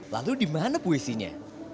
lalu di mana puisinya